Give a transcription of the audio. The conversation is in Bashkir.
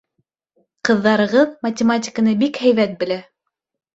Ҡыҙҙарығыҙ математиканы бик һәйбәт белә.